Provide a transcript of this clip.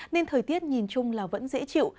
nên thời tiết nhìn chung là vẫn dễ chịu